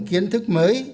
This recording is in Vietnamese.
kiến thức mới